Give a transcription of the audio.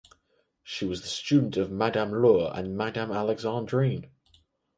She was the student of Madame Laure and Madame Alexandrine.